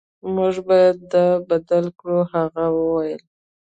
موږ باید دا بدل کړو هغه وویل